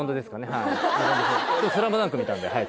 はい「スラムダンク」見たんではい